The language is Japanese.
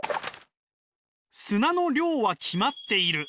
砂の量は決まっている。